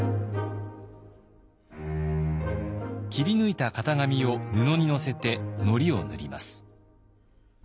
切り抜いた型紙を布に載せてのりを塗ります。